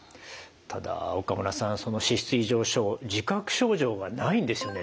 ただ岡村さんその脂質異常症自覚症状がないんですよね？